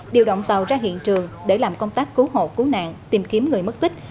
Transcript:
điều động tàu ra hiện trường để làm công tác cứu hộ cứu nạn tìm kiếm người mất tích